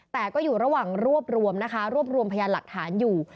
แต่ก็อยู่ระหว่างรวบรวมนะคะรวบรวมพยานหลักฐานอยู่